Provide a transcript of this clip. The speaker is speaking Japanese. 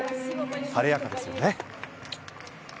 晴れやかですよね。